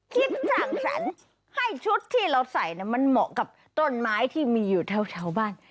คิดสร้างสรรค์ให้ชุดที่เราใส่มันเหมาะกับต้นไม้ที่มีอยู่แถวบ้าน